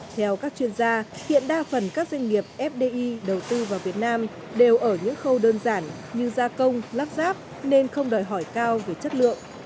theo các chuyên gia hiện đa phần các doanh nghiệp fdi đầu tư vào việt nam đều ở những khâu đơn giản như gia công lắp ráp nên không đòi hỏi cao về chất lượng